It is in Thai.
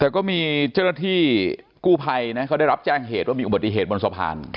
แต่ก็มีเจ้าหน้าที่กู้ภัยนะเขาได้รับแจ้งเหตุว่ามีอุบัติเหตุบนสะพาน